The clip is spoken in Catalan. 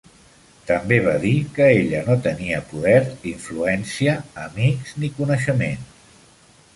També va dir que ella no tenia poder, influència, amics ni coneixements.